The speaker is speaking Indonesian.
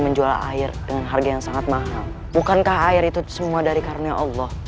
menjual air dengan harga yang sangat mahal bukankah air itu semua dari karena allah